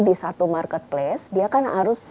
di satu marketplace dia kan harus